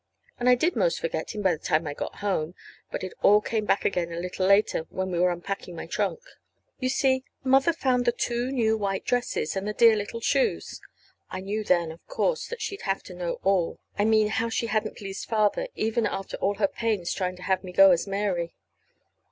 And I did 'most forget him by the time I'd got home. But it all came back again a little later when we were unpacking my trunk. You see, Mother found the two new white dresses, and the dear little shoes. I knew then, of course, that she'd have to know all I mean, how she hadn't pleased Father, even after all her pains trying to have me go as Mary.